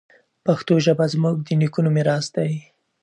پښتو ژبه زموږ د نیکونو میراث دی.